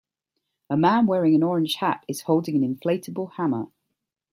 A man wearing an orange hat is holding an inflatable hammer